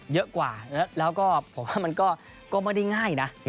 เยอะกว่าแล้วก็ผมว่ามันก็ไม่ได้ง่ายนะ